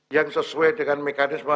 yang sesuai dengan mekanisme